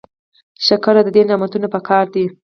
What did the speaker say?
شکر د دې نعمتونو پکار دی.